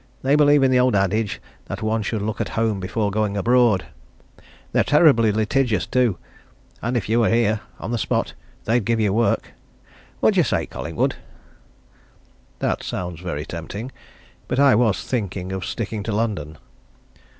They believe in the old adage that one should look at home before going abroad. They're terribly litigious, too, and if you were here, on the spot, they'd give you work. What do you say, Collingwood?" "That sounds very tempting. But I was thinking of sticking to London."